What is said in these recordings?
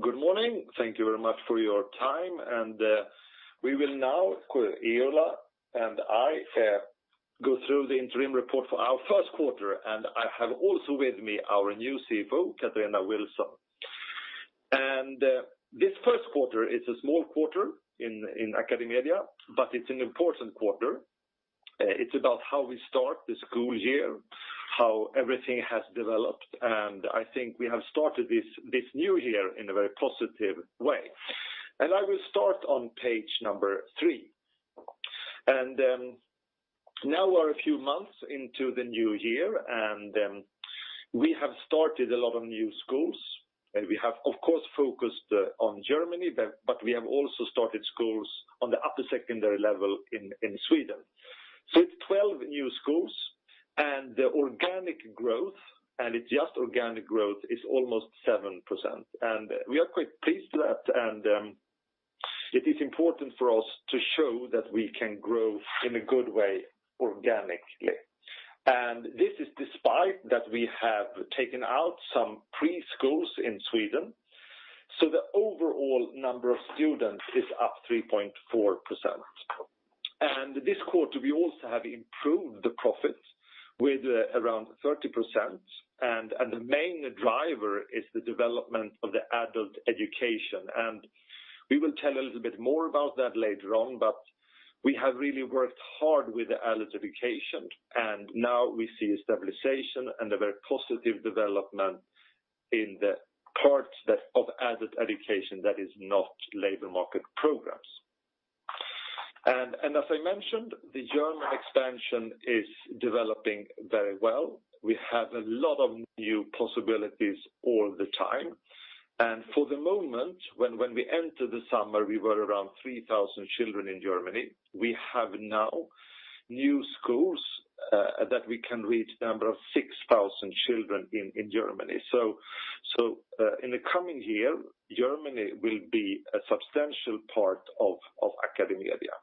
Good morning. Thank you very much for your time. We will now, Eola and I, go through the interim report for our first quarter. I have also with me our new CFO, Katarina Wilson. This first quarter is a small quarter in AcadeMedia, but it is an important quarter. It is about how we start the school year, how everything has developed, and I think we have started this new year in a very positive way. I will start on page three. Now we are a few months into the new year, and we have started a lot of new schools. We have, of course, focused on Germany, but we have also started schools on the upper secondary level in Sweden. It is 12 new schools and the organic growth, and it is just organic growth, is almost 7%. We are quite pleased with that, and it is important for us to show that we can grow in a good way organically. This is despite that we have taken out some preschools in Sweden. The overall number of students is up 3.4%. This quarter, we also have improved the profit with around 30%, and the main driver is the development of the adult education. We will tell a little bit more about that later on. We have really worked hard with adult education, and now we see stabilization and a very positive development in the parts of adult education that is not labor market programs. As I mentioned, the German expansion is developing very well. We have a lot of new possibilities all the time. For the moment, when we entered the summer, we were around 3,000 children in Germany. We have now new schools that we can reach number of 6,000 children in Germany. In the coming year, Germany will be a substantial part of AcadeMedia.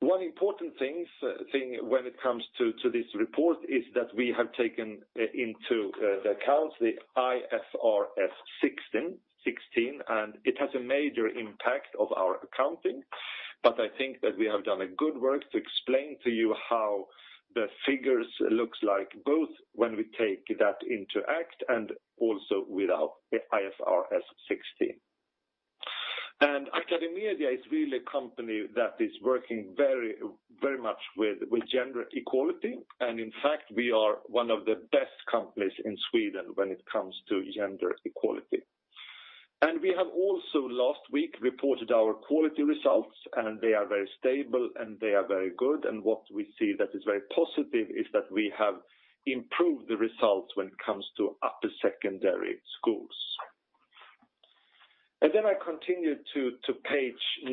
One important thing when it comes to this report is that we have taken into the accounts the IFRS 16, and it has a major impact of our accounting. I think that we have done a good work to explain to you how the figures looks like, both when we take that into act and also without IFRS 16. AcadeMedia is really a company that is working very much with gender equality. In fact, we are one of the best companies in Sweden when it comes to gender equality. We have also last week reported our quality results, and they are very stable and they are very good. What we see that is very positive is that we have improved the results when it comes to upper secondary schools. Then I continue to page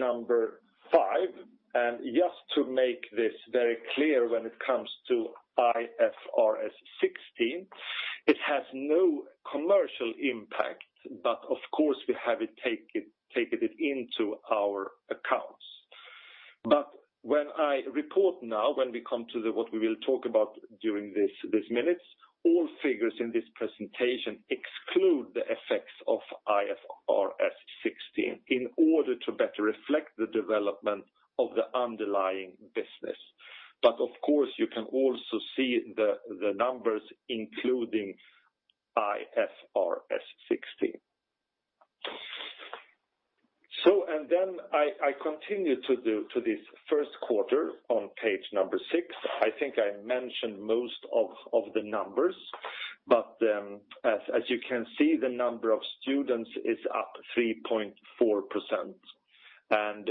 five, and just to make this very clear when it comes to IFRS 16, it has no commercial impact. Of course, we have taken it into our accounts. But when I report now, when we come to what we will talk about during these minutes, all figures in this presentation exclude the effects of IFRS 16 in order to better reflect the development of the underlying business. Of course, you can also see the numbers including IFRS 16. I continue to this first quarter on page six. I think I mentioned most of the numbers, but as you can see, the number of students is up 3.4%.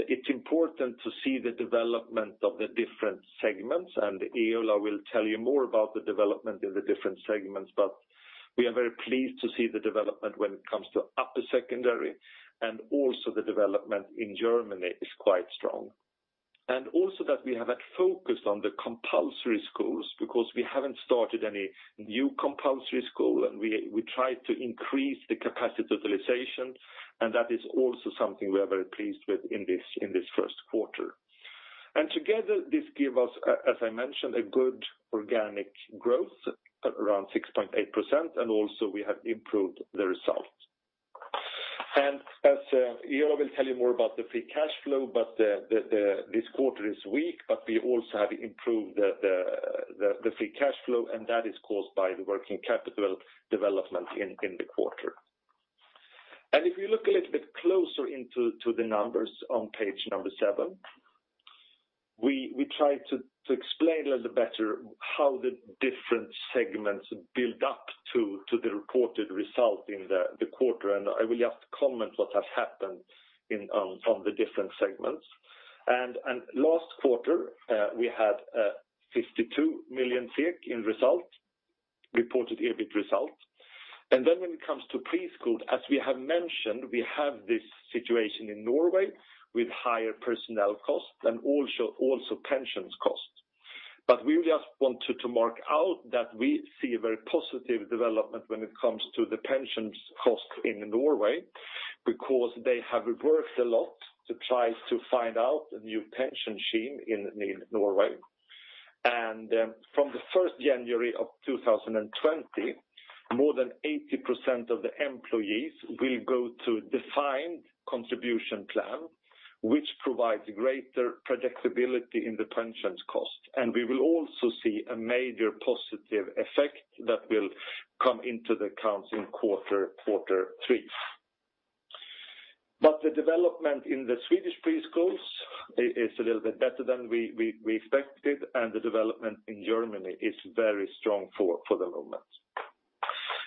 It's important to see the development of the different segments, and Eola will tell you more about the development in the different segments. We are very pleased to see the development when it comes to upper secondary and also the development in Germany is quite strong. Also that we have had focus on the compulsory schools because we haven't started any new compulsory school, and we try to increase the capacity utilization, and that is also something we are very pleased with in this first quarter. Together, this give us, as I mentioned, a good organic growth at around 6.8%, and also we have improved the result. As Eola will tell you more about the free cash flow, but this quarter is weak, but we also have improved the free cash flow, and that is caused by the working capital development in the quarter. If you look a little bit closer into the numbers on page seven, we try to explain a little better how the different segments build up to the reported result in the quarter, and I will just comment what has happened on the different segments. Last quarter, we had 52 million SEK in result, reported EBIT result. Then when it comes to preschool, as we have mentioned, we have this situation in Norway with higher personnel costs and also pensions cost. We just wanted to mark out that we see a very positive development when it comes to the pensions cost in Norway because they have worked a lot to try to find out a new pension scheme in Norway. From the 1st January of 2020, more than 80% of the employees will go to defined contribution plan, which provides greater predictability in the pensions cost. We will also see a major positive effect that will come into the accounts in quarter three. The development in the Swedish preschools is a little bit better than we expected, and the development in Germany is very strong for the moment.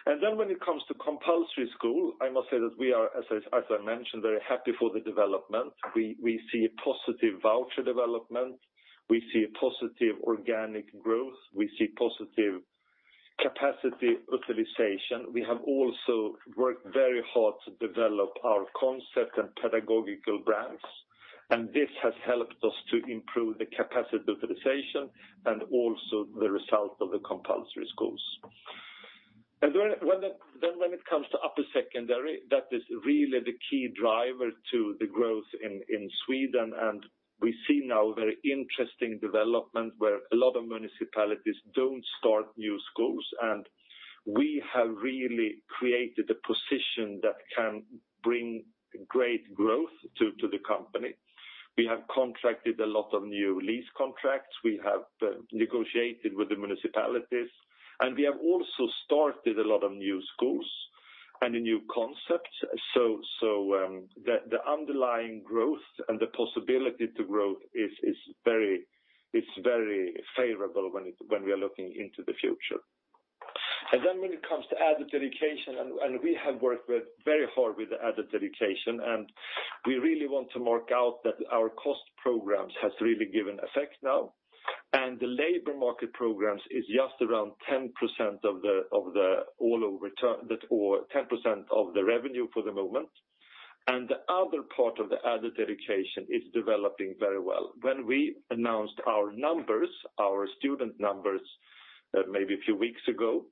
Then when it comes to compulsory school, I must say that we are, as I mentioned, very happy for the development. We see a positive voucher development. We see a positive organic growth. We see positive capacity utilization. We have also worked very hard to develop our concept and pedagogical brands, and this has helped us to improve the capacity utilization and also the result of the compulsory schools. Then when it comes to upper secondary, that is really the key driver to the growth in Sweden, and we see now very interesting development where a lot of municipalities don't start new schools, and we have really created a position that can bring great growth to the company. We have contracted a lot of new lease contracts. We have negotiated with the municipalities, and we have also started a lot of new schools and a new concept. The underlying growth and the possibility to growth is very favorable when we are looking into the future. Then when it comes to adult education, and we have worked very hard with the adult education, and we really want to mark out that our cost programs has really given effect now. The labor market programs is just around 10% of the revenue for the moment. The other part of the adult education is developing very well. When we announced our student numbers a few weeks ago,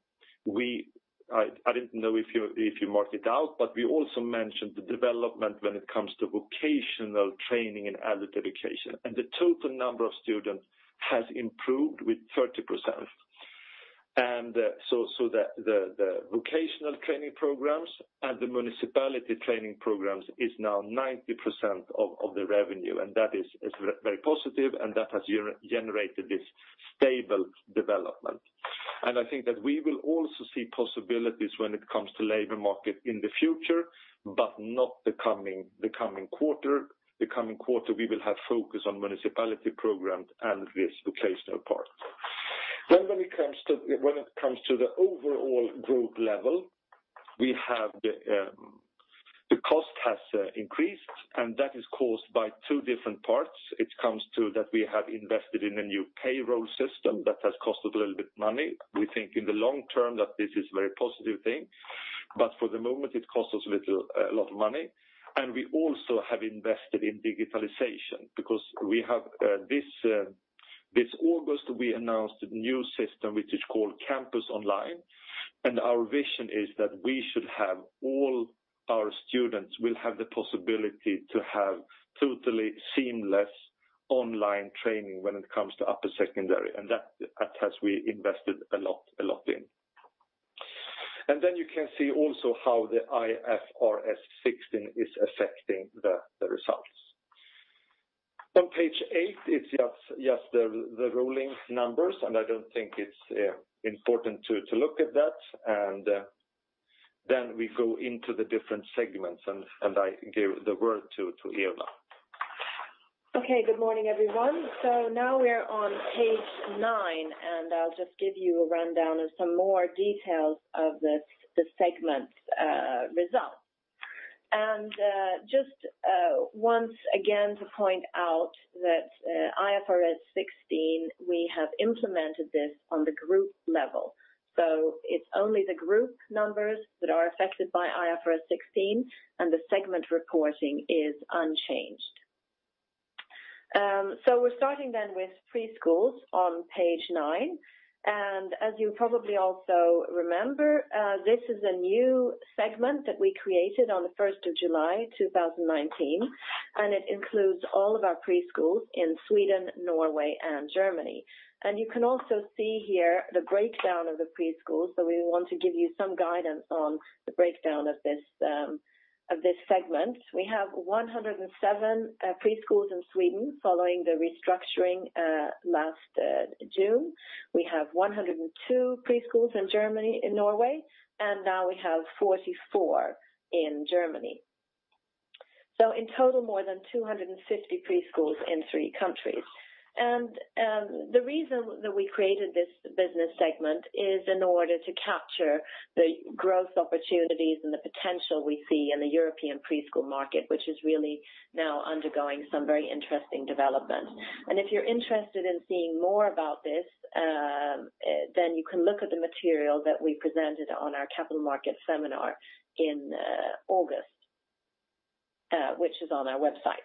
I didn't know if you marked it out, but we also mentioned the development when it comes to vocational training and adult education. The total number of students has improved with 30%. The vocational training programs and the municipality training programs is now 90% of the revenue, and that is very positive, and that has generated this stable development. I think that we will also see possibilities when it comes to labor market in the future, but not the coming quarter. The coming quarter, we will have focus on municipality programs and this vocational part. When it comes to the overall group level, the cost has increased, and that is caused by two different parts. It comes to that we have invested in a new payroll system that has cost us a little bit money. We think in the long term that this is a very positive thing. For the moment, it costs us a lot of money. We also have invested in digitalization because this August, we announced a new system, which is called Campus Online. Our vision is that we should have all our students will have the possibility to have totally seamless online training when it comes to upper secondary, and that has we invested a lot in. You can see also how the IFRS 16 is affecting the results. On page eight, it's just the rolling numbers, and I don't think it's important to look at that. We go into the different segments, and I give the word to Eola. Okay, good morning, everyone. Now we're on page nine, and I'll just give you a rundown of some more details of the segment result. Just once again to point out that IFRS 16, we have implemented this on the group level. It's only the group numbers that are affected by IFRS 16, and the segment reporting is unchanged. We're starting then with preschools on page nine. As you probably also remember, this is a new segment that we created on the 1st of July 2019, and it includes all of our preschools in Sweden, Norway, and Germany. You can also see here the breakdown of the preschools. We want to give you some guidance on the breakdown of this segment. We have 107 preschools in Sweden following the restructuring last June. We have 102 preschools in Norway, and now we have 44 in Germany. In total, more than 250 preschools in three countries. The reason that we created this business segment is in order to capture the growth opportunities and the potential we see in the European preschool market, which is really now undergoing some very interesting development. If you're interested in seeing more about this, you can look at the material that we presented on our capital market seminar in August, which is on our website.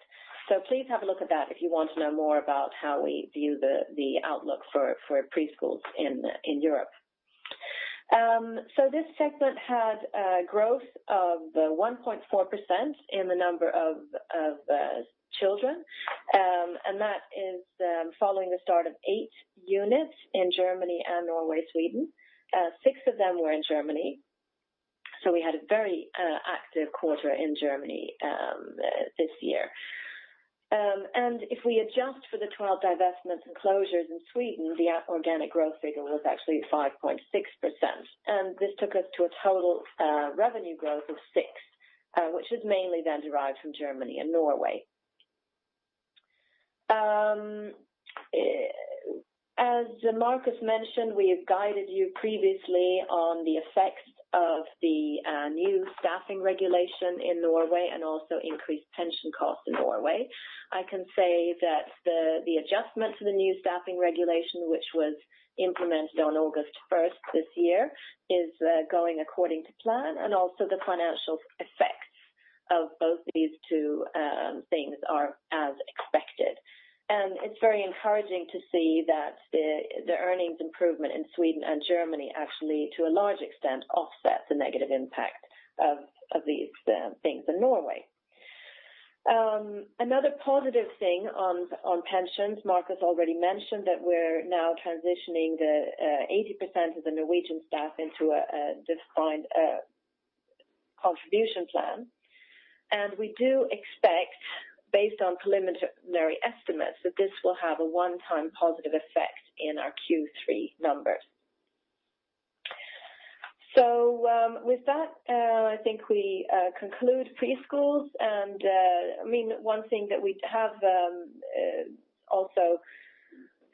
Please have a look at that if you want to know more about how we view the outlook for preschools in Europe. This segment had a growth of 1.4% in the number of children, and that is following the start of eight units in Germany and Norway, Sweden. Six of them were in Germany. We had a very active quarter in Germany this year. If we adjust for the 12 divestments and closures in Sweden, the organic growth figure was actually 5.6%. This took us to a total revenue growth of 6%, which was mainly derived from Germany and Norway. As Marcus mentioned, we have guided you previously on the effects of the new staffing regulation in Norway and also increased pension costs in Norway. I can say that the adjustment to the new staffing regulation, which was implemented on August 1st this year, is going according to plan, and also the financial effects of both these two things are as expected. It's very encouraging to see that the earnings improvement in Sweden and Germany actually, to a large extent, offset the negative impact of these things in Norway. Another positive thing on pensions, Marcus already mentioned that we're now transitioning the 80% of the Norwegian staff into a defined contribution plan. We do expect, based on preliminary estimates, that this will have a one-time positive effect in our Q3 numbers. With that, I think we conclude preschools, and one thing that we have also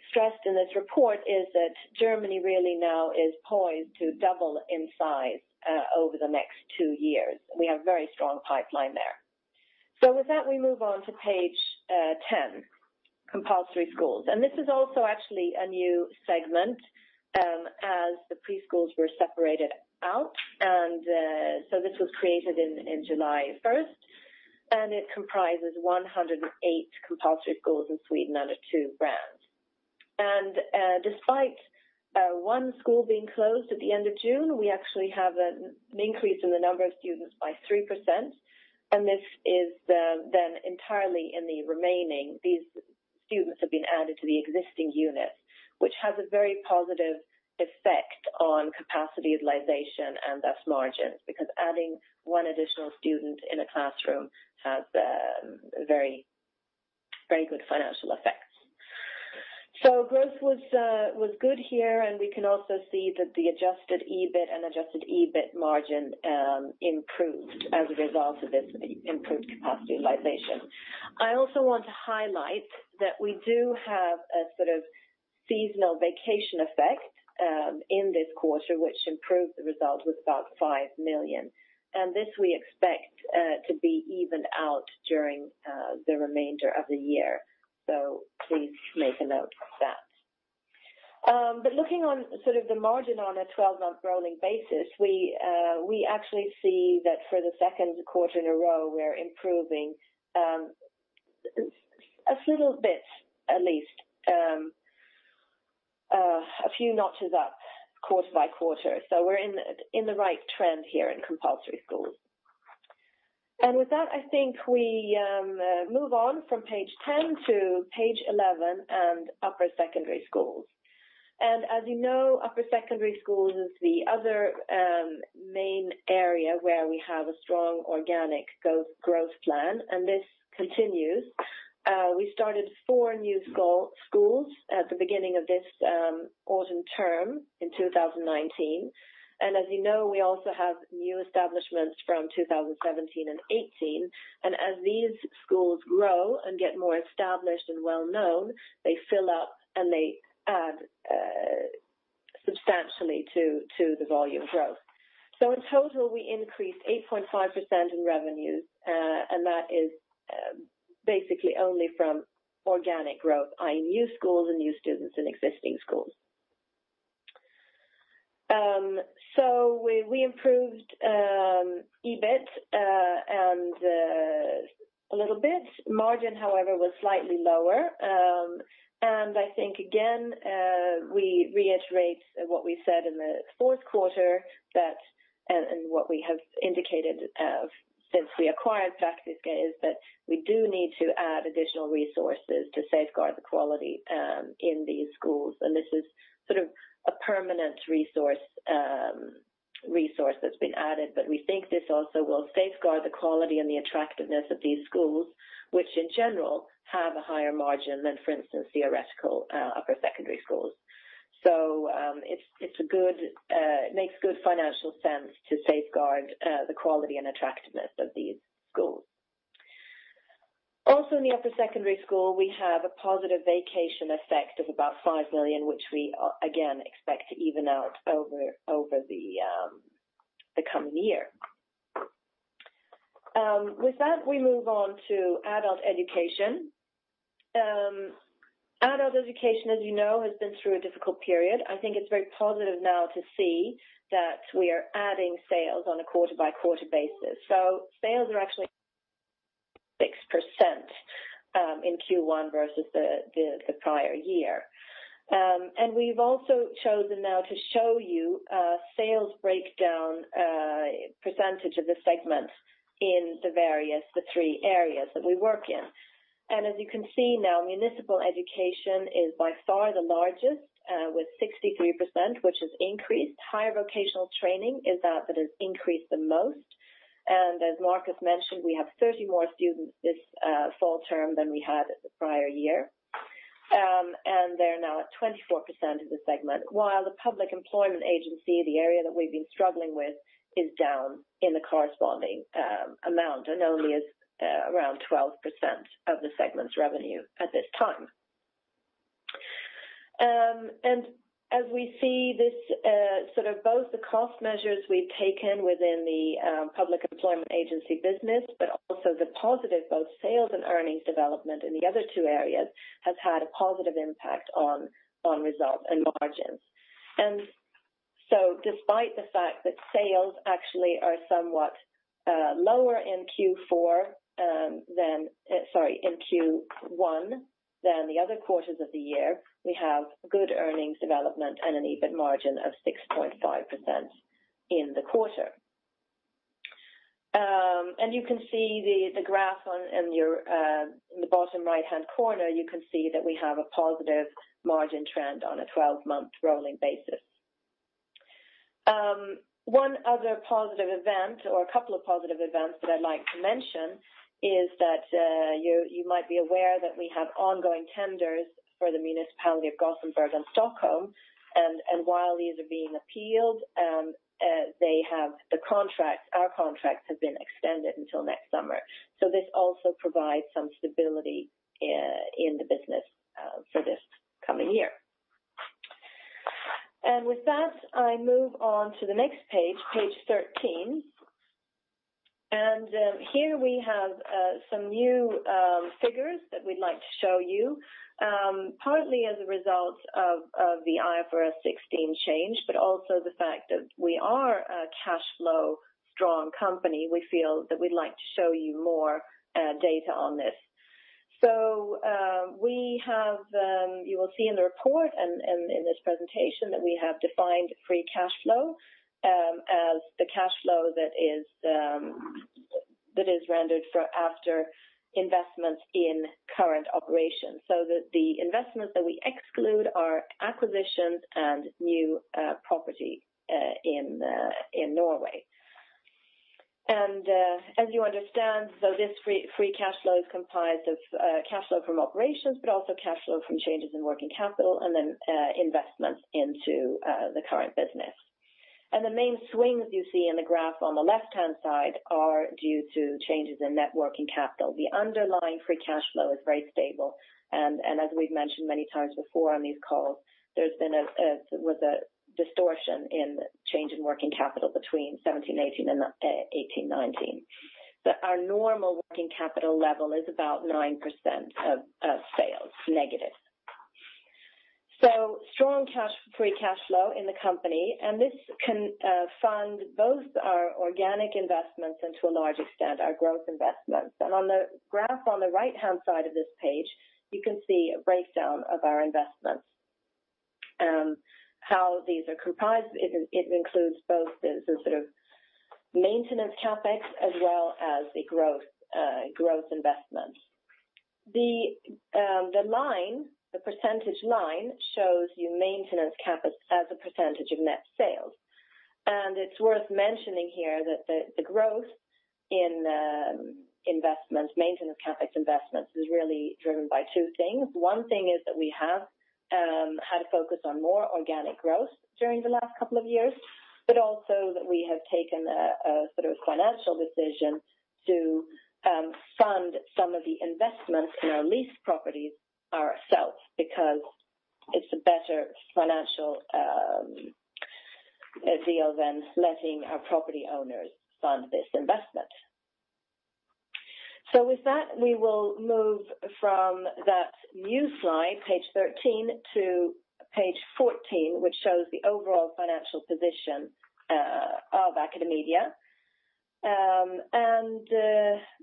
stressed in this report is that Germany really now is poised to double in size over the next two years. We have a very strong pipeline there. With that, we move on to page 10, compulsory schools. This is also actually a new segment as the preschools were separated out. This was created in July 1st, and it comprises 108 compulsory schools in Sweden under two brands. Despite one school being closed at the end of June, we actually have an increase in the number of students by 3%, and this is then entirely in the remaining. These students have been added to the existing unit, which has a very positive effect on capacity utilization and thus margins, because adding one additional student in a classroom has very good financial effects. Growth was good here, and we can also see that the adjusted EBIT and adjusted EBIT margin improved as a result of this improved capacity utilization. I also want to highlight that we do have a sort of seasonal vacation effect in this quarter, which improved the result with about 5 million. This we expect to be evened out during the remainder of the year. Please make a note of that. Looking on sort of the margin on a 12-month rolling basis, we actually see that for the second quarter in a row, we're improving a little bit, at least a few notches up quarter by quarter. We're in the right trend here in compulsory schools. With that, I think we move on from page 10 to page 11 and upper secondary schools. As you know, upper secondary schools is the other main area where we have a strong organic growth plan, and this continues. We started four new schools at the beginning of this autumn term in 2019. As you know, we also have new establishments from 2017 and 2018. As these schools grow and get more established and well-known, they fill up, and they add substantially to the volume growth. In total, we increased 8.5% in revenues, and that is basically only from organic growth, i.e., new schools and new students in existing schools. We improved EBIT a little bit. Margin, however, was slightly lower. I think, again, we reiterate what we said in the fourth quarter, and what we have indicated since we acquired Praktiska is that we do need to add additional resources to safeguard the quality in these schools. This is sort of a permanent resource that's been added, but we think this also will safeguard the quality and the attractiveness of these schools, which in general have a higher margin than, for instance, theoretical upper secondary schools. It makes good financial sense to safeguard the quality and attractiveness of these schools. Also in the upper secondary school, we have a positive vacation effect of about 5 million, which we again expect to even out over the coming year. With that, we move on to adult education. Adult education, as you know, has been through a difficult period. I think it's very positive now to see that we are adding sales on a quarter-by-quarter basis. Sales are actually 6% in Q1 versus the prior year. We've also chosen now to show you a sales breakdown percentage of the segment in the various, the three areas that we work in. As you can see now, municipal education is by far the largest, with 63%, which has increased. Higher vocational training is that has increased the most. As Marcus mentioned, we have 30 more students this fall term than we had the prior year. They're now at 24% of the segment, while the Public Employment Agency, the area that we've been struggling with, is down in the corresponding amount and only is around 12% of the segment's revenue at this time. As we see, both the cost measures we've taken within the Public Employment Agency business, but also the positive, both sales and earnings development in the other two areas has had a positive impact on results and margins. Despite the fact that sales actually are somewhat lower in Q1 than the other quarters of the year, we have good earnings development and an EBIT margin of 6.5% in the quarter. You can see the graph in the bottom right-hand corner, you can see that we have a positive margin trend on a 12-month rolling basis. One other positive event or a couple of positive events that I'd like to mention is that you might be aware that we have ongoing tenders for the municipality of Gothenburg and Stockholm, and while these are being appealed, our contract has been extended until next summer. This also provides some stability in the business for this coming year. With that, I move on to the next page 13. Here we have some new figures that we'd like to show you, partly as a result of the IFRS 16 change, but also the fact that we are a cash flow strong company, we feel that we'd like to show you more data on this. You will see in the report and in this presentation that we have defined free cash flow as the cash flow that is rendered for after investments in current operations. The investments that we exclude are acquisitions and new property in Norway. This free cash flow is comprised of cash flow from operations, but also cash flow from changes in working capital and then investments into the current business. The main swings you see in the graph on the left-hand side are due to changes in net working capital. The underlying free cash flow is very stable, and as we've mentioned many times before on these calls, there was a distortion in change in working capital between 2017/2018 and 2018/2019. Our normal working capital level is about 9% of sales negative. Strong free cash flow in the company, and this can fund both our organic investments and to a large extent, our growth investments. On the graph on the right-hand side of this page, you can see a breakdown of our investments. How these are comprised, it includes both the sort of maintenance CapEx as well as the growth investments. The percentage line shows you maintenance CapEx as a percentage of net sales. It's worth mentioning here that the growth in maintenance CapEx investments is really driven by two things. One thing is that we have had a focus on more organic growth during the last couple of years, but also that we have taken a sort of financial decision to fund some of the investments in our lease properties ourselves, because it's a better financial deal than letting our property owners fund this investment. With that, we will move from that new slide, page 13, to page 14, which shows the overall financial position of AcadeMedia.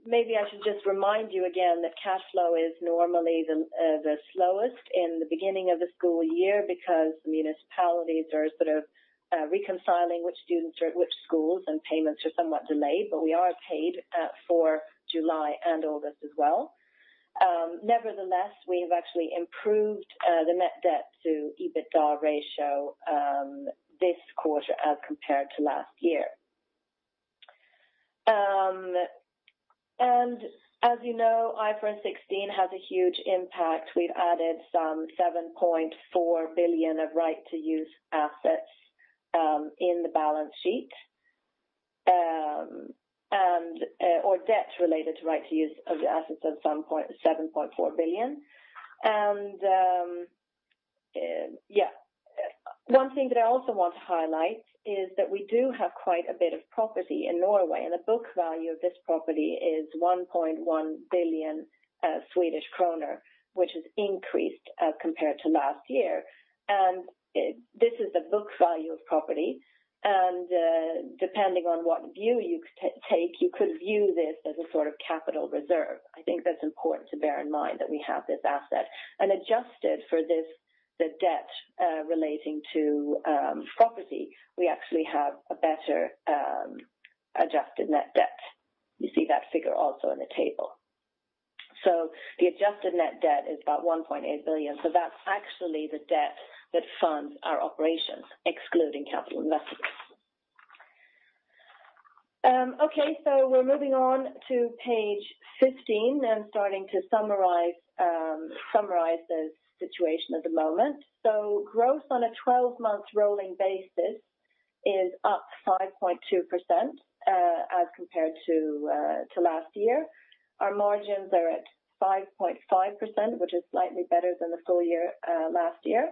Maybe I should just remind you again that cash flow is normally the slowest in the beginning of the school year because the municipalities are sort of reconciling which students are at which schools and payments are somewhat delayed, but we are paid for July and August as well. Nevertheless, we have actually improved the net debt to EBITDA ratio this quarter as compared to last year. As you know, IFRS 16 has a huge impact. We've added some 7.4 billion of right-of-use assets in the balance sheet, or debt related to right-of-use assets of 7.4 billion. One thing that I also want to highlight is that we do have quite a bit of property in Norway, and the book value of this property is 1.1 billion Swedish kronor, which has increased as compared to last year. This is the book value of property. Depending on what view you take, you could view this as a sort of capital reserve. I think that's important to bear in mind that we have this asset. Adjusted for this, the debt relating to property, we actually have a better adjusted net debt. You see that figure also in the table. The adjusted net debt is about 1.8 billion. That's actually the debt that funds our operations, excluding capital investments. We're moving on to page 15 and starting to summarize the situation at the moment. Growth on a 12-month rolling basis is up 5.2% as compared to last year. Our margins are at 5.5%, which is slightly better than the full year last year.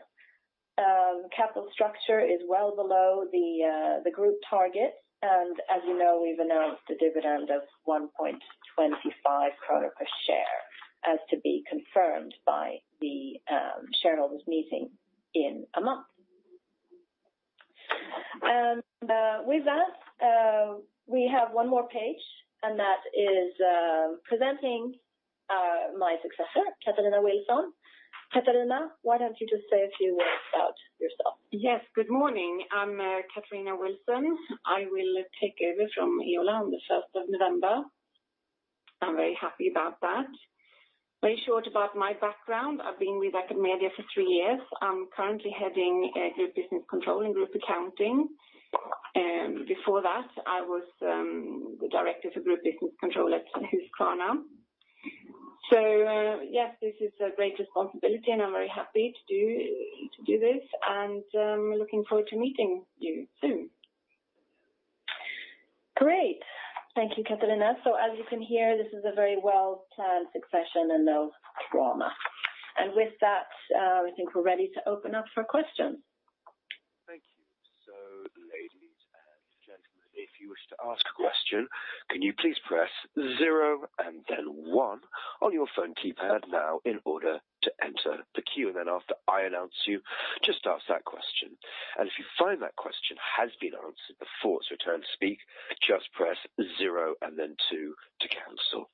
Capital structure is well below the group target. As you know, we've announced a dividend of 1.25 kronor per share, as to be confirmed by the shareholders' meeting in a month. With that, we have one more page, and that is presenting my successor, Katarina Wilson. Katarina, why don't you just say a few words about yourself? Yes, good morning. I'm Katarina Wilson. I will take over from Eola on the 1st of November. I'm very happy about that. Very short about my background. I've been with AcadeMedia for three years. I'm currently heading Group Business Control and Group Accounting. Before that, I was the Director for Group Business Control at Husqvarna. Yes, this is a great responsibility, and I'm very happy to do this, and looking forward to meeting you soon. Great. Thank you, Katarina. As you can hear, this is a very well-planned succession and no drama. With that, I think we're ready to open up for questions. Thank you. Ladies and gentlemen, if you wish to ask a question, can you please press zero and then one on your phone keypad now in order to enter the queue, then after I announce you, just ask that question. If you find that question has been answered before it's your turn to speak, just press zero and then two to cancel.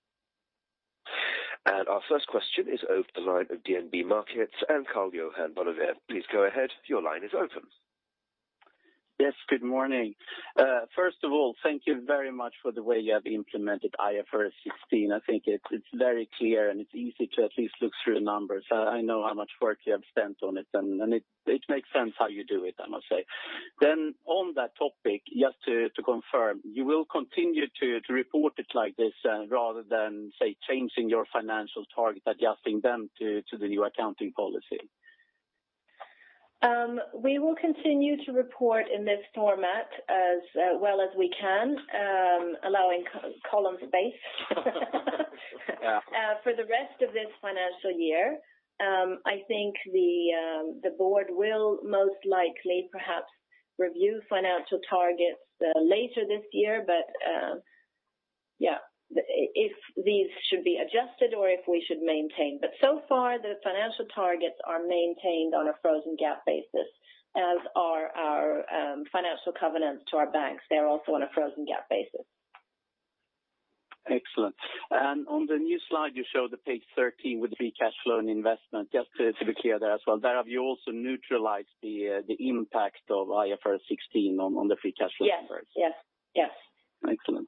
Our first question is over the line of DNB Markets and Karl-Johan Bonnevier. Please go ahead. Your line is open. Yes, good morning. First of all, thank you very much for the way you have implemented IFRS 16. I think it is very clear, and it is easy to at least look through the numbers. I know how much work you have spent on it, and it makes sense how you do it, I must say. On that topic, just to confirm, you will continue to report it like this rather than, say, changing your financial target, adjusting them to the new accounting policy? We will continue to report in this format as well as we can, allowing column space Yeah. For the rest of this financial year. I think the board will most likely perhaps review financial targets later this year. Yeah, if these should be adjusted or if we should maintain. So far, the financial targets are maintained on a frozen GAAP basis, as are our financial covenants to our banks. They are also on a frozen GAAP basis. Excellent. On the new slide you show the page 13 with the free cash flow and investment, just to be clear there as well. There you also neutralized the impact of IFRS 16 on the free cash flow numbers? Yes. Excellent.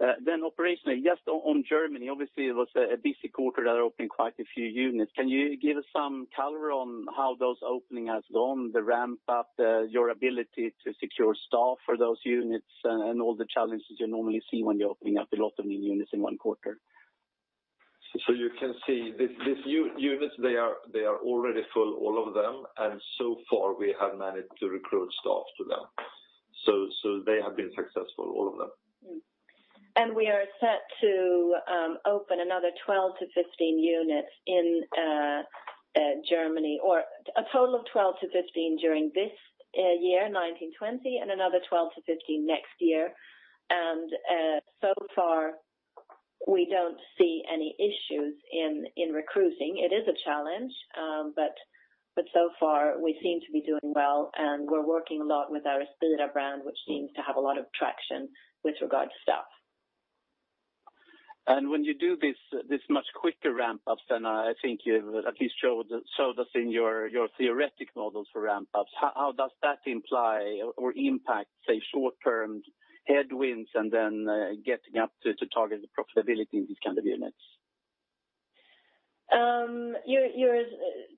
Operationally, just on Germany, obviously it was a busy quarter there opening quite a few units. Can you give us some color on how those opening has gone, the ramp-up, your ability to secure staff for those units and all the challenges you normally see when you're opening up a lot of new units in one quarter? You can see these units, they are already full, all of them, so far we have managed to recruit staff to them. They have been successful, all of them. We are set to open another 12 to 15 units in Germany, or a total of 12 to 15 during this year, 2019/2020, another 12 to 15 next year. So far we don't see any issues in recruiting. It is a challenge, so far we seem to be doing well, we're working a lot with our Espira brand, which seems to have a lot of traction with regard to staff. When you do this much quicker ramp-ups than I think you've at least showed us in your theoretical models for ramp-ups, how does that imply or impact, say, short-term headwinds and then getting up to target the profitability in these kinds of units? You're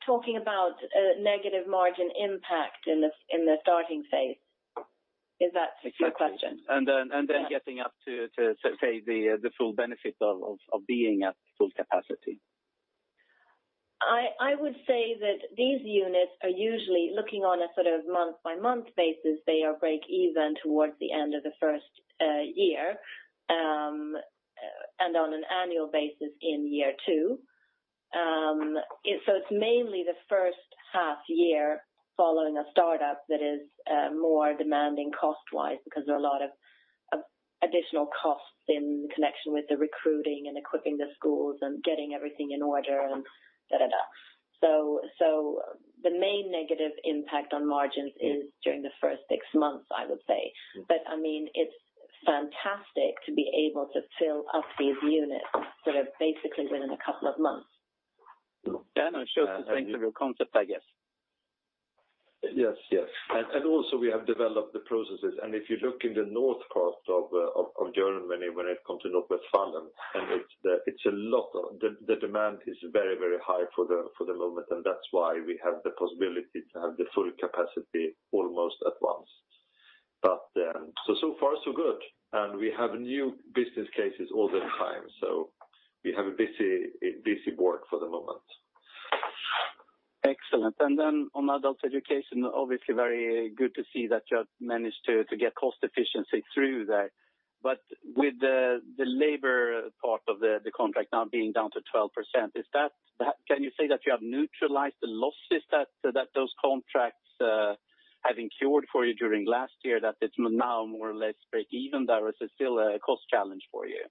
talking about a negative margin impact in the starting phase. Is that your question? Exactly. Then getting up to, say, the full benefit of being at full capacity. I would say that these units are usually looking on a sort of month-by-month basis. They are break even towards the end of the first year, and on an annual basis in year two. It's mainly the first half year following a startup that is more demanding cost-wise because there are a lot of additional costs in connection with the recruiting and equipping the schools and getting everything in order and dah, dah. The main negative impact on margins is during the first six months, I would say. I mean, it's fantastic to be able to fill up these units sort of basically within a couple of months. Yeah, it shows the strength of your concept, I guess. Yes. Also we have developed the processes, if you look in the north part of Germany, when it comes to Nordrhein-Westfalen, the demand is very high for the moment, that's why we have the possibility to have the full capacity almost at once. So far so good. We have new business cases all the time, so we have a busy board for the moment. Excellent. Then on adult education, obviously very good to see that you have managed to get cost efficiency through that. With the labor part of the contract now being down to 12%, can you say that you have neutralized the losses that those contracts have incurred for you during last year, that it's now more or less breakeven there? Is it still a cost challenge for you?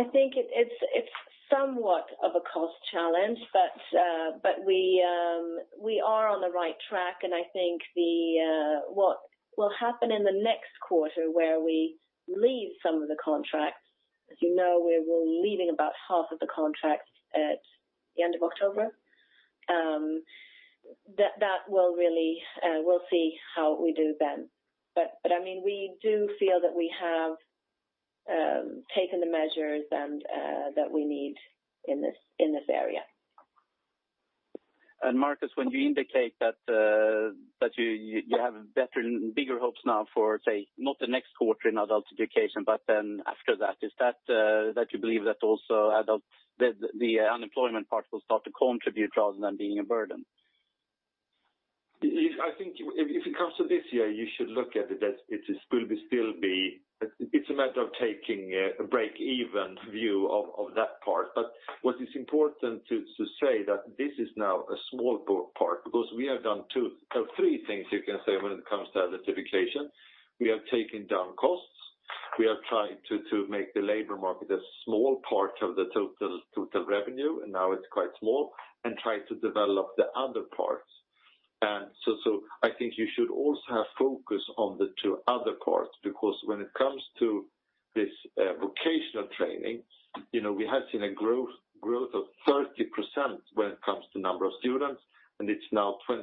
I think it's somewhat of a cost challenge, we are on the right track, I think what will happen in the next quarter where we leave some of the contracts, as you know, we're leaving about half of the contracts at the end of October. We'll see how we do then. We do feel that we have taken the measures that we need in this area. Marcus, when you indicate that you have better and bigger hopes now for, say, not the next quarter in adult education, after that, is that you believe that also the unemployment part will start to contribute rather than being a burden? I think if it comes to this year, you should look at it as it's a matter of taking a breakeven view of that part. What is important to say that this is now a small part because we have done three things you can say when it comes to adult education. We have taken down costs. We have tried to make the labor market a small part of the total revenue, and now it's quite small, and try to develop the other parts. I think you should also have focus on the two other parts because when it comes to this vocational training, we have seen a growth of 30% when it comes to number of students, and it's now 24%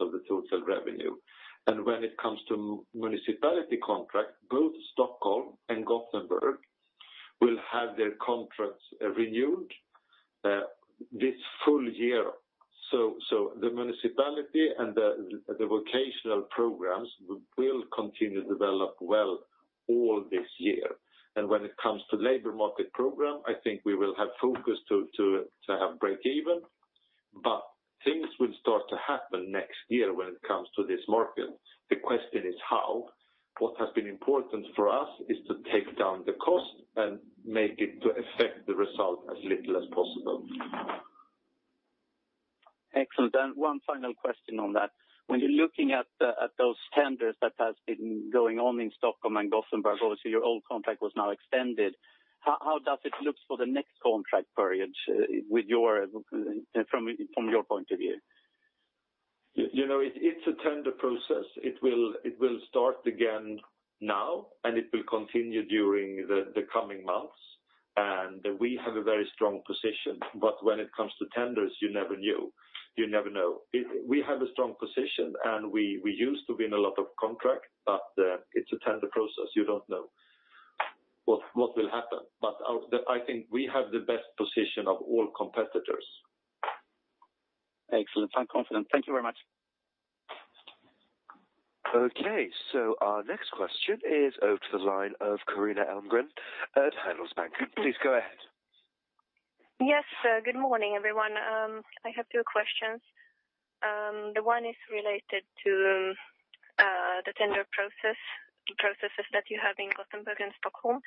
of the total revenue. When it comes to municipality contract, both Stockholm and Gothenburg will have their contracts renewed this full year. The municipality and the vocational programs will continue to develop well all this year. When it comes to labor market program, I think we will have focus to have breakeven, but things will start to happen next year when it comes to this market. The question is how. What has been important for us is to take down the cost and make it to affect the result as little as possible. Excellent. One final question on that. When you're looking at those tenders that has been going on in Stockholm and Gothenburg, obviously your old contract was now extended. How does it look for the next contract period from your point of view? It's a tender process. It will start again now, and it will continue during the coming months. We have a very strong position, but when it comes to tenders, you never know. We have a strong position, and we used to win a lot of contract, but it's a tender process. You don't know what will happen. I think we have the best position of all competitors. Excellent. I am confident. Thank you very much. Okay, our next question is out to the line of Carina Almgren at Handelsbanken. Please go ahead. Yes, good morning, everyone. I have two questions. The one is related to the tender processes that you have in Gothenburg and Stockholm.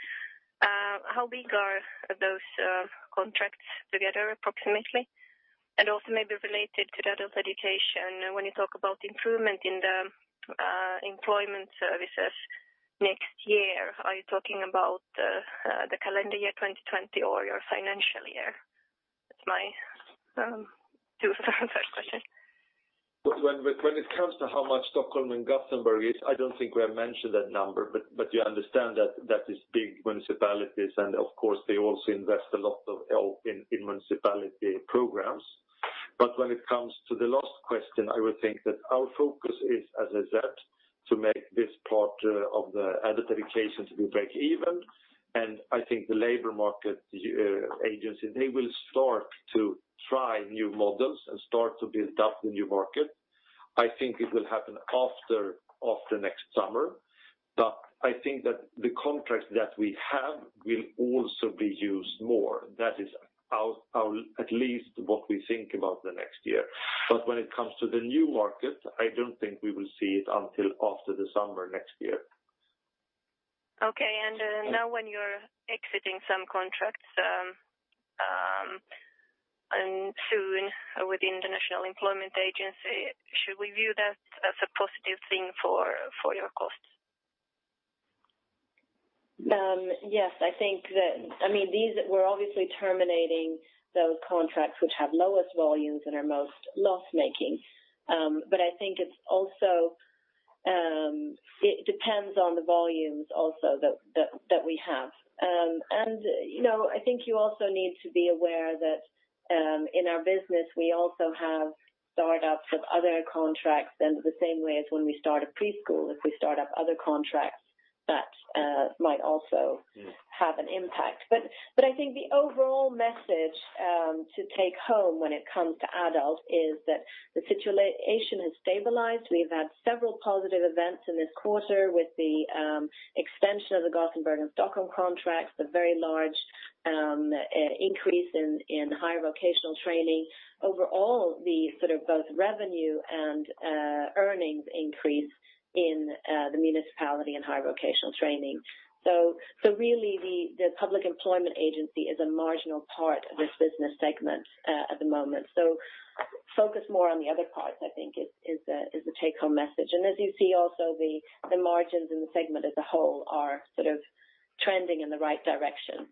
How big are those contracts together approximately? Also maybe related to adult education, when you talk about improvement in the employment services next year, are you talking about the calendar year 2020 or your financial year? That is my two first questions. When it comes to how much Stockholm and Gothenburg is, I don't think we have mentioned that number, you understand that that is big municipalities and of course they also invest a lot in municipality programs. When it comes to the last question, I would think that our focus is as is that to make this part of the adult education to be breakeven. I think the labor market agency, they will start to try new models and start to build up the new market. I think it will happen after next summer. I think that the contracts that we have will also be used more. That is at least what we think about the next year. When it comes to the new market, I don't think we will see it until after the summer next year. Okay, now when you're exiting some contracts soon with the National Employment Agency, should we view that as a positive thing for your costs? Yes. We're obviously terminating those contracts which have lowest volumes and are most loss-making. I think it depends on the volumes also that we have. I think you also need to be aware that in our business, we also have startups of other contracts in the same way as when we start a preschool, if we start up other contracts that might also have an impact. I think the overall message to take home when it comes to adult is that the situation has stabilized. We've had several positive events in this quarter with the extension of the Gothenburg and Stockholm contracts, the very large increase in higher vocational training. Overall, the sort of both revenue and earnings increase in the municipality and higher vocational training. Really, the public employment agency is a marginal part of this business segment at the moment. Focus more on the other parts, I think, is the take-home message. As you see also, the margins in the segment as a whole are sort of trending in the right direction.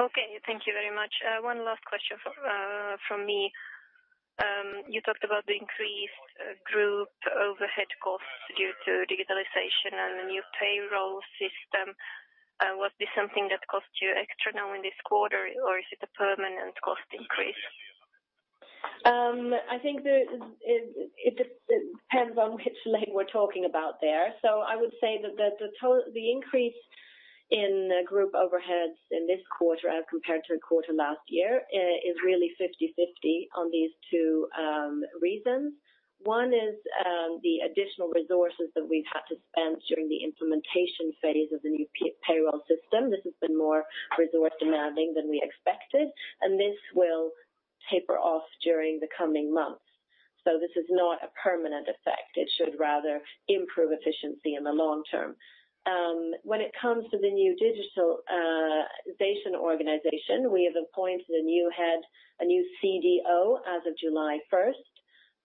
Okay. Thank you very much. One last question from me. You talked about the increased group overhead costs due to digitalization and the new payroll system. Was this something that cost you extra now in this quarter, or is it a permanent cost increase? I think it depends on which leg we're talking about there. I would say that the increase in group overheads in this quarter as compared to a quarter last year is really 50/50 on these two reasons. One is the additional resources that we've had to spend during the implementation phase of the new payroll system. This has been more resource demanding than we expected, and this will taper off during the coming months. This is not a permanent effect. It should rather improve efficiency in the long term. When it comes to the new digitalization organization, we have appointed a new head, a new CDO as of July 1st,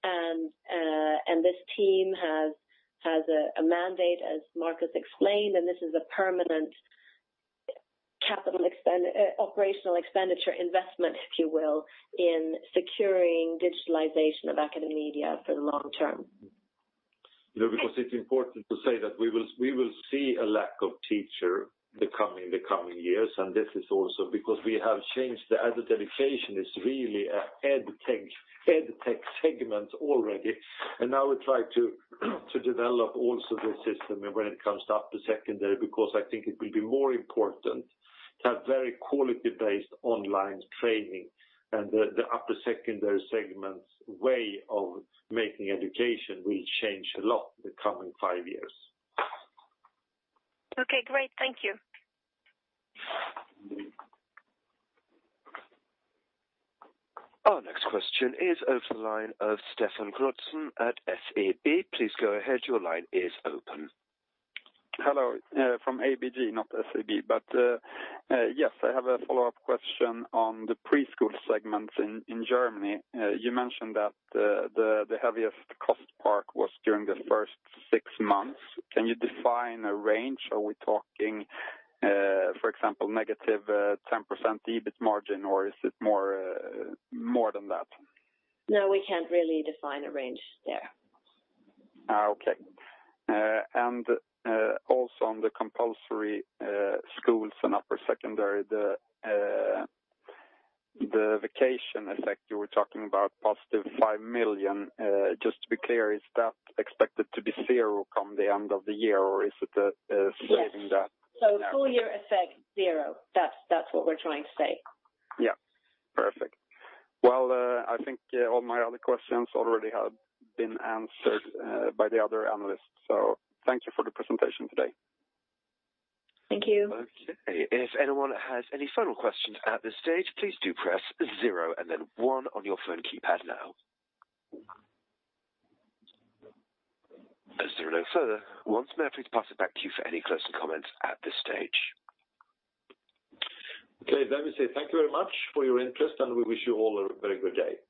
and this team has a mandate, as Marcus explained, and this is a permanent operational expenditure investment, if you will, in securing digitalization of AcadeMedia for the long term. It's important to say that we will see a lack of teacher the coming years, and this is also because we have changed the adult education is really a Edtech segment already. Now we try to develop also the system when it comes to upper secondary, because I think it will be more important to have very quality-based online training and the upper secondary segment's way of making education will change a lot in the coming five years. Okay, great. Thank you. Our next question is over the line of Stefan Knutsson at ABG Sundal Collier. Please go ahead. Your line is open. Hello. From ABG, not SAB. Yes, I have a follow-up question on the preschool segment in Germany. You mentioned that the heaviest cost part was during the first six months. Can you define a range? Are we talking for example, negative 10% EBIT margin or is it more than that? No, we can't really define a range there. Okay. Also on the compulsory schools and upper secondary, the vacation effect you were talking about positive 5 million. Just to be clear, is that expected to be zero come the end of the year or is it saving that? Yes. Full year effect zero. That's what we're trying to say. Yeah. Perfect. Well, I think all my other questions already have been answered by the other analysts. Thank you for the presentation today. Thank you. Okay. If anyone has any final questions at this stage, please do press zero and then one on your phone keypad now. As there are no further, once more, I please pass it back to you for any closing comments at this stage. Okay. Let me say thank you very much for your interest, We wish you all a very good day.